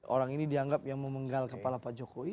orang ini dianggap yang memenggal kepala pak jokowi